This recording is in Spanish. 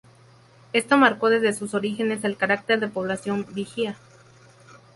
Esto marcó desde sus orígenes el carácter de población vigía.